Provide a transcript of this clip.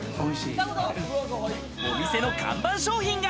お店の看板商品が。